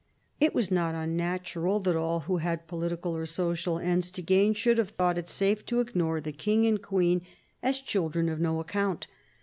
It was not unnatural that all who had political or social ends to gain should have thought it safe to ignore the King and Queen as children of no account.